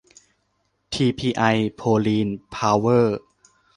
ทีพีไอ โพลีน เพาเวอร์